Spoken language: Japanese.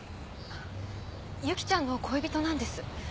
由紀ちゃんの恋人なんです。